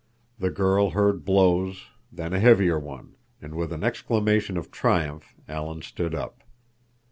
The girl heard blows, then a heavier one, and with an exclamation of triumph Alan stood up.